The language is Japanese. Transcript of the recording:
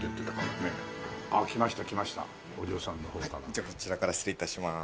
じゃあこちらから失礼致します。